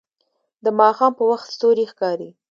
د ماښام په وخت ستوري ښکاري